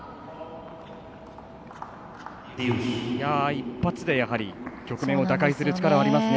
一発で、局面を打開する力がありますね。